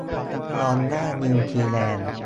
ดอลลาร์นิวซีแลนด์